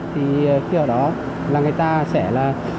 thì khi ở đó là người ta sẽ là